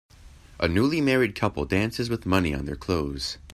A newly married couple dances with money on their clothes.